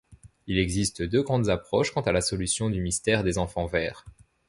Il existe deux grandes approches quant à la solution du mystère des enfants verts.